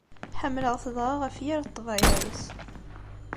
Ḥemmleɣ-t dɣa ɣef yir ṭṭbayeɛ-is.